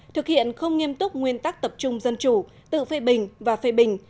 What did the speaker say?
thực hiện không nghiêm túc nguyên tắc tập trung dân chủ tự phê bình và phê bình